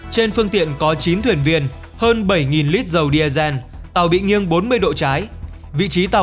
trên phương tiện có chín thuyền viên hơn bảy lít dầu diesel tàu bị nghiêng bốn mươi độ trái vị trí tàu